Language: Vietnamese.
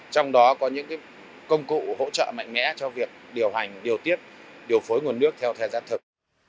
trong đó có những công cụ hỗ trợ mạnh mẽ cho việc điều hành điều tiết điều phối nguồn nước theo thời gian thực